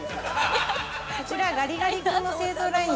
◆こちらガリガリ君の製造ライン